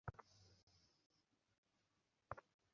স্বামী বিবেকানন্দের বাণী ও রচনার মধ্য দিয়া ইহাই তাহাকে দেওয়া হইয়াছে।